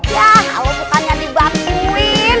yah allah bukannya dibakuin